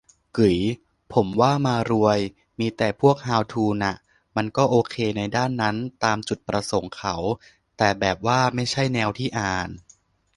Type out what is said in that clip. กึ๋ย ผมว่ามารวยมีแต่พวกฮาวทูน่ะ มันก็โอเคในด้านนั้น ตามจุดประสงค์เขา แต่แบบว่าไม่ใช่แนวที่อ่าน